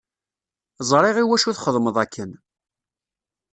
Ẓriɣ iwacu txedmeḍ akken.